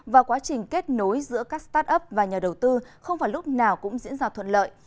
và quá trình kết nối giữa các start up và nhà đầu tư không vào lúc nào cũng diễn ra thuận lợi